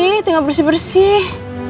nanti gak bersih bersih